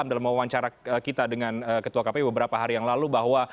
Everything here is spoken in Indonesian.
dalam wawancara kita dengan ketua kpu beberapa hari yang lalu bahwa